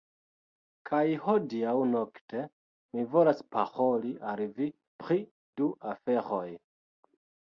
Kaj hodiaŭ nokte, mi volas paroli al vi pri du aferoj.